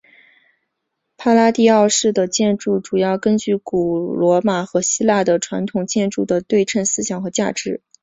帕拉第奥式的建筑主要根据古罗马和希腊的传统建筑的对称思想和价值。